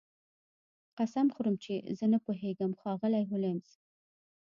قسم خورم چې زه نه پوهیږم ښاغلی هولمز